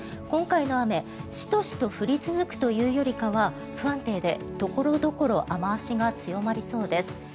今回の雨、シトシト降り続くというよりかは不安定で所々、雨脚が強まりそうです。